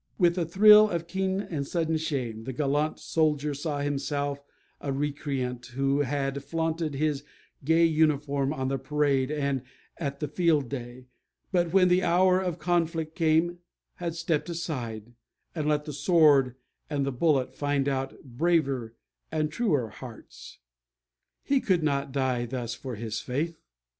With a thrill of keen and sudden shame the gallant soldier saw himself a recreant, who had flaunted his gay uniform on the parade and at the field day, but when the hour of conflict came, had stepped aside, and let the sword and the bullet find out braver and truer hearts. He could not die thus for his faith.